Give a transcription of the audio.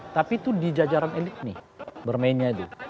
tapi itu di jajaran elit nih bermainnya itu